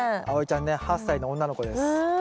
あおいちゃんね８歳の女の子です。